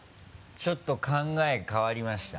ちょっと考え変わりました。